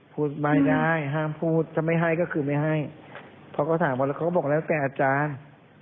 พูดไม่ได้ห้ามพูดถ้าไม่ให้ก็คือไม่ให้เขาก็ถามว่าแล้วเขาก็บอกแล้วแต่อาจารย์